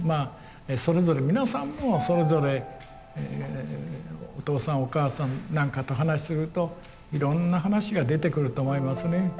それぞれ皆さんもそれぞれお父さんお母さんなんかと話しするといろんな話が出てくると思いますね。